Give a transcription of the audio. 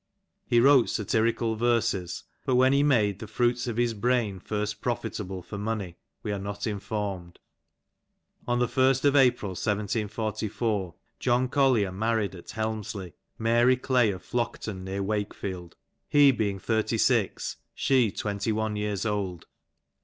He wrote satirical verses, but when he made the fruits of his brain first profitable for money we are not informed. On the 1st of April 1744, John Collier married at Helmsley, Mary Clay of Flockton near Wakefield, he being thirty six she twentyH)ne years old.